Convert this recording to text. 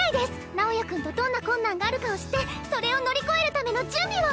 直也君とどんな困難があるかを知ってそれを乗り越えるための準備を！